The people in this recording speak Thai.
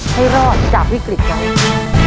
ให้รอดจากวิกฤตนั้น